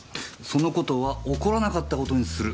その事は起こらなかった事にするって事ですか？